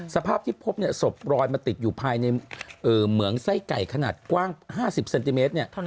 สภาพที่พบศพรอยมาติดอยู่ภายในเหมืองไส้ไก่ขนาดกว้าง๕๐เซนติเมตร